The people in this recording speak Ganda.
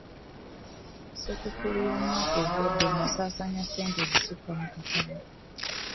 Ssekukkulu y'omwaka ogwaggwa nnasaasaanya ssente ezisukka mu kakadde.